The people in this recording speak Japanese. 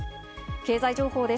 経済情報です。